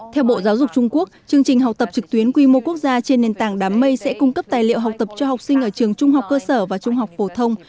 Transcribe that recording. theo bộ giáo dục trung quốc chương trình học tập trực tuyến quy mô quốc gia trên nền tảng đám mây sẽ cung cấp tài liệu học tập cho học sinh ở trường trung học cơ sở và trung học phổ thông